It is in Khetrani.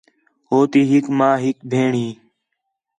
ہو تی ہِک ماں، ہِک بھیݨ ہَئی